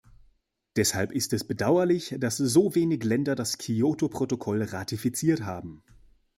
Deshalb ist es bedauerlich, dass so wenig Länder das Kyoto-Protokoll ratifiziert haben.